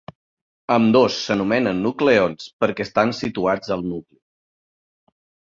Ambdós s'anomenen nucleons perquè estan situats al nucli.